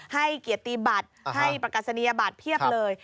ให้เกียรติบัตรให้ประกาศนียบัตรเพียบเลย